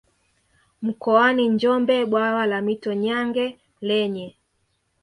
mkoani Njombe Bwawa la Mto Nyange lenye